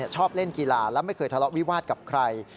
ชอบเล่นกีฬาและไม่เคยทะเลาะวิวาสกับใคร